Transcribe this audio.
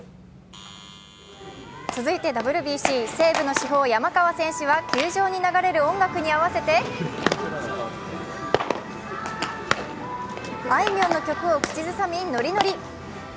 続いてＷＢＣ、西武の主砲・山川選手は球場に流れる音楽に合わせてあいみょんの曲を口ずさみ、ノリノリ。